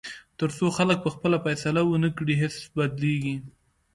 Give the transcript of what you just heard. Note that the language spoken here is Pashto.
تر څو خلک پخپله فیصله ونه کړي، هیڅ بدلېږي.